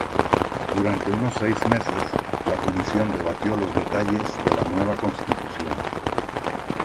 Durante unos seis meses, la Comisión debatió los detalles de la nueva Constitución.